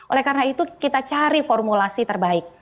oleh karena itu kita cari formulasi terbaik